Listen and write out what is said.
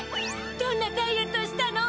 どんなダイエットしたの？